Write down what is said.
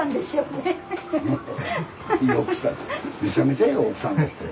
めちゃめちゃええ奥さんですよ。